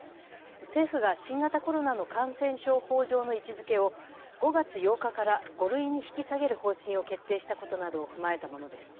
政府が新型コロナの感染症法上の位置づけを５月８日から５類に引き下げる方針を決定したことなどを踏まえたものです。